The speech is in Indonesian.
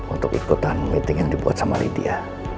untuk ikutan meeting yang dibuat sama lydia